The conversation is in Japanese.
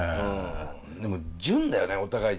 でも純だよねお互い。